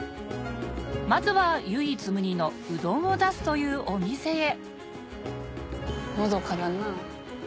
まずは唯一無二のうどんを出すというお店へのどかだなぁ。